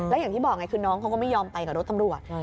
แล้วอย่างที่บอกไงคือน้องเขาก็ไม่ยอมไปกับรถตำรวจ